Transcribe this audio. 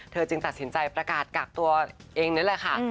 จึงตัดสินใจประกาศกักตัวเองนั่นแหละค่ะ